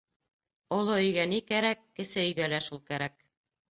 Оло өйгә ни кәрәк, кесе өйгә лә шул кәрәк.